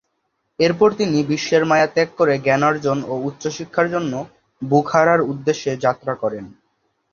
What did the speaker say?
এরপর তিনি বিশ্বের মায়া ত্যাগ করে জ্ঞানার্জন ও উচ্চ শিক্ষার জন্য বুখারার উদ্দেশ্যে যাত্রা করেন।